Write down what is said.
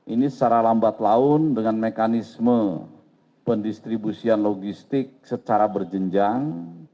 ini secara lambat laun dengan mekanisme pendistribusian logistik secara berjenjang